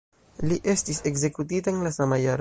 Li estis ekzekutita en la sama jaro.